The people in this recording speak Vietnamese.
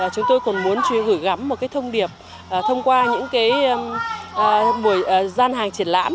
chúng tôi còn muốn gửi gắm một cái thông điệp thông qua những cái gian hàng triển lãm